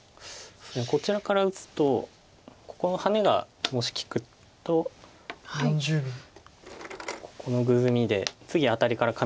こちらから打つとここのハネがもし利くとここのグズミで次アタリからカミ取りがありますので。